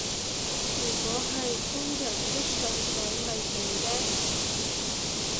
如果係真人一上水咪勁驚